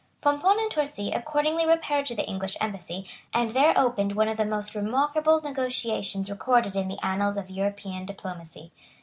Pomponne and Torcy accordingly repaired to the English embassy; and there opened one of the most remarkable negotiations recorded in the annals of European diplomacy.